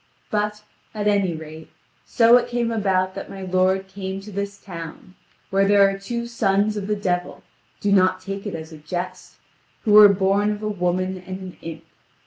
But, at any rate, so it came about that my lord came to this town, where there are two sons of the devil (do not take it as a jest) who were born of a woman and an imp.